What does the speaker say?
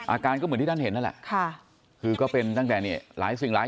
อาการก็เหมือนที่ท่านเห็นนั่นแหละค่ะคือก็เป็นตั้งแต่เนี่ยหลายสิ่งหลาย